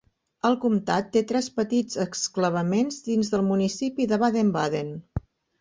El comtat té tres petits exclavaments dins del municipi de Baden-Baden.